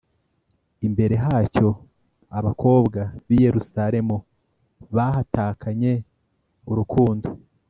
imbere hacyo abakobwa b i Yerusalemu bahatakanye urukundo